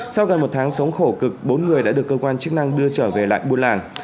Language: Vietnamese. sau gần một tháng sống khổ cực bốn người đã được cơ quan chức năng đưa trở về lại buôn làng